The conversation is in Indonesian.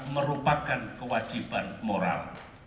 merupakan kewajiban moral